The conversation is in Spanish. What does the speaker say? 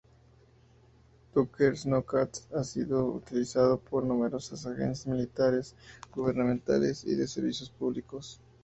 Tucker Sno-Cats ha sido utilizado por numerosas agencias militares, gubernamentales y de servicios públicos.